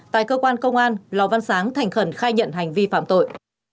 tại cơ quan công an lò văn sáng thành khẩn khai nhận hành vi phạm tội